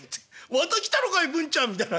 また来たのかいぶんちゃんみたいな。